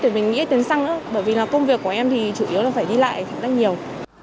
để mình nghĩ đến xăng nữa bởi vì là công việc của em thì chủ yếu là phải đi lại khá là nhiều